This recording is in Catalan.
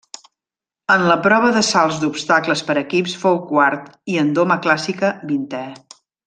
En la prova de salts d'obstacles per equips fou quart i en doma clàssica vintè.